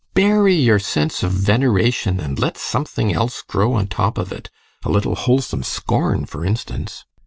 GUSTAV. Bury your sense of veneration and let something else grow on top of it. A little wholesome scorn, for instance.